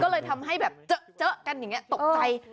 ก็เลยทำให้แบบเจอกันอย่างนี้ตกใจ